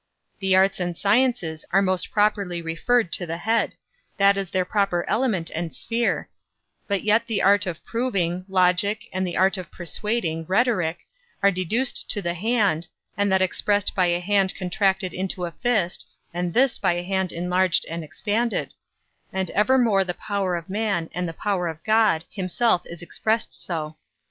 The arts and sciences are most properly referred to the head; that is their proper element and sphere; but yet the art of proving, logic, and the art of persuading, rhetoric, are deduced to the hand, and that expressed by a hand contracted into a fist, and this by a hand enlarged and expanded; and evermore the power of man, and the power of God, himself is expressed so.